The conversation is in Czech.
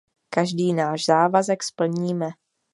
Každý náš závazek splníme.